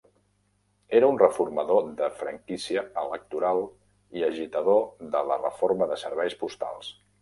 Era un reformador de franquícia electoral i agitador de la reforma de serveis postals.